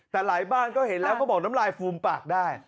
แต่หลายบ้านก็เห็นแล้วก็บอกน้ำลายฟูมปากได้